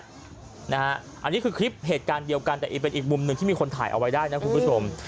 อันนี้คือคลิปเหตุการณ์เดียวกันแต่อีกเป็นอีกมุมหนึ่งที่มีคนถ่ายเอาไว้ได้นะคุณผู้ชม